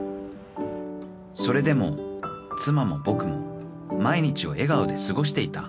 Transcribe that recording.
［それでも妻も僕も毎日を笑顔で過ごしていた］